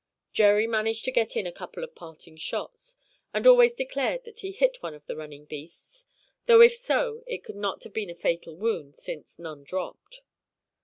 Jerry managed to get in a couple of parting shots, and always declared that he hit one of the running beasts, though if so it could not have been a fatal wound since none dropped.